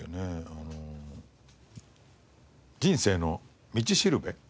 あの人生の道しるべ。